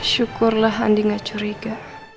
syukurlah andi gak curiga